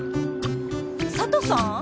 ・佐都さん？